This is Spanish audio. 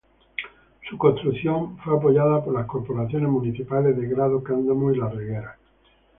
Su construcción fue apoyada por las corporaciones municipales de Grado, Candamo y Las Regueras.